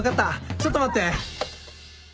ちょっと待って。